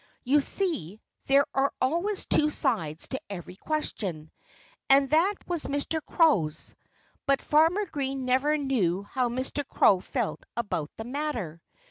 You see, there are always two sides to every question. And that was Mr. Crow's. But Farmer Green never knew how Mr. Crow felt about the matter.